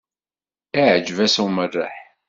Iεǧeb-as umerreḥ.